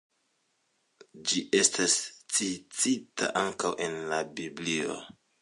Ĝi estas citita ankaŭ en la Biblio.